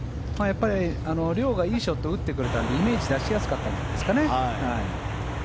遼がいいショットを打ってくれたのでイメージ出しやすかったんじゃないですかね。